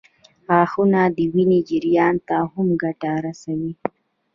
غاښونه د وینې جریان ته هم ګټه رسوي.